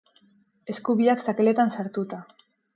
Esku biak sakeletan sartuta.